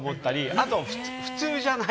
あと、普通じゃない。